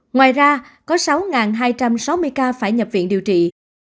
ngoài ra có sáu hai trăm sáu mươi ca phải nhập viện điều trị